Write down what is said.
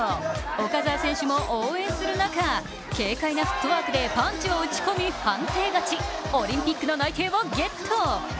岡澤選手も応援する中軽快なフットワークでパンチを打ち込み、判定勝ちオリンピックの内定をゲット。